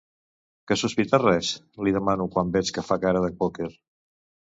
Que sospites res? —li demano quan veig que fa cara de pòquer.